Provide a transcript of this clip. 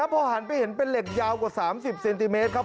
พอหันไปเห็นเป็นเหล็กยาวกว่า๓๐เซนติเมตรครับ